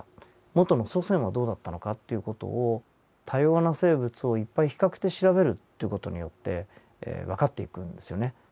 元の祖先はどうだったのかという事を多様な生物をいっぱい比較して調べるという事によってわかっていくんですよね。